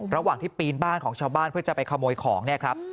ระหว่างที่ปีนบ้านของชาวบ้านเพื่อจะไปขโมยของเนี่ยครับ